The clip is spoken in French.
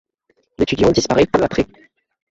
L'étudiant disparaît peu après.